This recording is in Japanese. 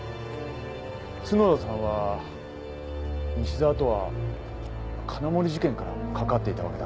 角田さんは西沢とは金森事件からかかわっていたわけだね？